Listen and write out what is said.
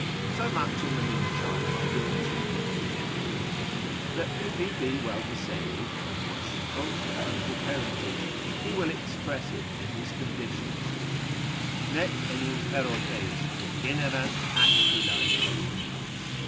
So much in the mean time I do attribute to Gentility, that if he be well descended, of worshipful or noble parentage, he will express it in his conditions, ———nec enim feroces Progenerant aquilae columbas.